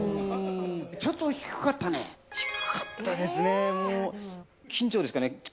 ちょっと低かったね。